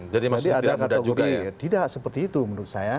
jadi ada kata kata tidak seperti itu menurut saya